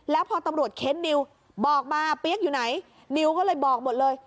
แล้วพอตำรวจเค้นนิวบอกมาเปี๊ยกอยู่ไหนนิวก็เลยบอกหมดเลย